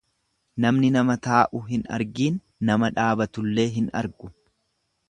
Namni nama taa'u hin argiin nama dhaabatullee hin argu.